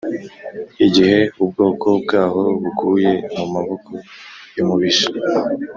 Igihe ubwoko bwaho buguye mu maboko y’umubisha,